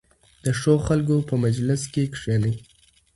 د ښو خلکو په مجلس کې کښېنئ.